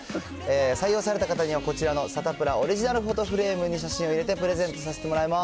採用された方にはこちらのサタプラオリジナルフォトフレームに写真を入れてプレゼントさせていただきます。